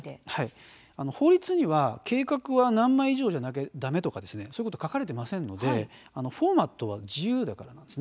法律には計画は何枚以上でなければだめとかそういうことは書かれていませんのでフォーマットは自由なんです。